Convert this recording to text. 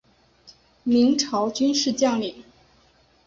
明朝军事将领。